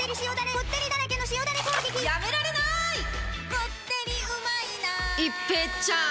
こってりうまいな一平ちゃーん！